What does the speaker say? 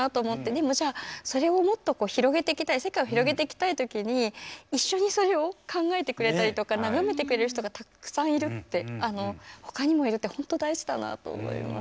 でもじゃあそれをもっと広げていきたい世界を広げていきたいときに一緒にそれを考えてくれたりとか眺めてくれる人がたくさんいるってほかにもいるって本当大事だなと思います。